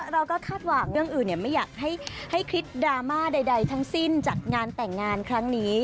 เราก็คาดหวังเรื่องอื่นไม่อยากให้คิดดราม่าใดทั้งสิ้นจากงานแต่งงานครั้งนี้